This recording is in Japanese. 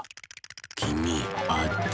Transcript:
きみあっち。